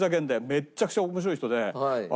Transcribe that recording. めちゃくちゃ面白い人で。